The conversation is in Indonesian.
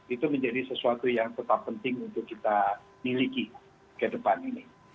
itu menjadi sesuatu yang tetap penting untuk kita miliki ke depan ini